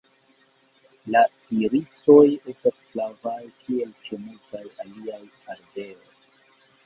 La irisoj estas flavaj kiel ĉe multaj aliaj ardeoj.